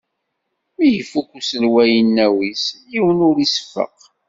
Mi ifukk uselway inaw-is, yiwen ur iseffeq.